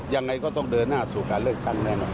ยังไงก็ต้องเดินหน้าสู่การเลือกตั้งแน่นอน